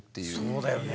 そうだよね。